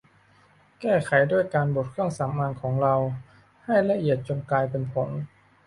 แก้ไขได้ด้วยการบดเครื่องสำอางของเราให้ละเอียดจนกลายเป็นผง